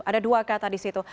ada dua kata di situ